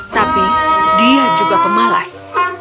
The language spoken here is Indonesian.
tapi dia juga pemalas